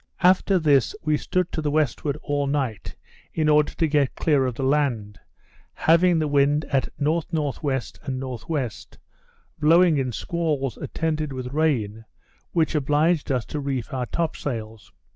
After this we stood to the westward all night, in order to get clear of the land, having the wind at N.N.W. and N.W., blowing in squalls attended with rain, which obliged us to reef our topsails.